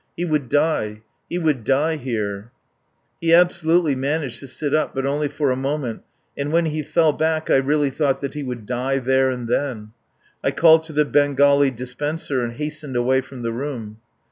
He would die! He would die here. ... He absolutely managed to sit up, but only for a moment, and when he fell back I really thought that he would die there and then. I called to the Bengali dispenser, and hastened away from the room.